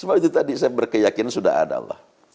cuma itu tadi saya berkeyakin sudah ada allah